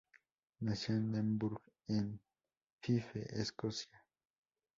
Nació en Newburgh, en Fife, Escocia.